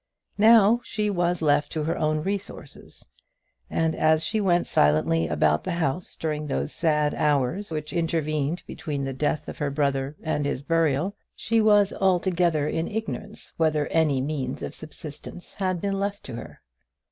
Now she was left to her own resources, and as she went silently about the house during those sad hours which intervened between the death of her brother and his burial, she was altogether in ignorance whether any means of subsistence had been left to her.